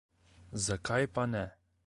Zakaj pa ne?